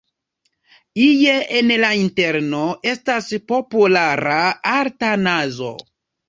Ie en la interno estas populara arta nazo.